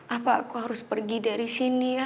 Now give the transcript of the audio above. apa aku harus pergi dari sini ya